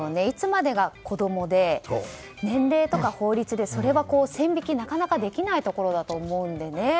いつまでが子供で年齢とか法律でそれは線引き、なかなかできないところだと思うのでね。